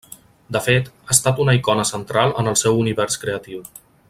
De fet, ha estat una icona central en el seu univers creatiu.